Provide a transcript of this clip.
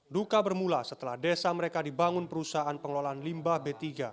duka bermula setelah desa mereka dibangun perusahaan pengelolaan limbah b tiga